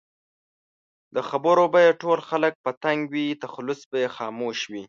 له خبرو به یې ټول خلک په تنګ وي؛ تخلص به یې خاموش وي